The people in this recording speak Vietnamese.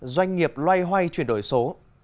doanh nghiệp loay hoay chuyển đổi số